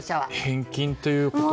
返金ということは？